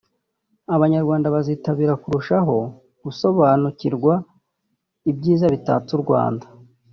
Abanyarwanda bazitabira kurushaho gusobanukirwa ibyiza bitatse u Rwanda